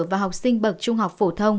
và học sinh bậc trung học phổ thông